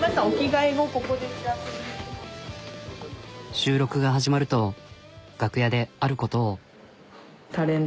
収録が始まると楽屋であることを。